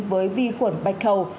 với vi khuẩn bạch khầu